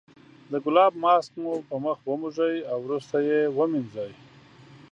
د ګلاب ماسک مو په مخ وموښئ او وروسته یې ومینځئ.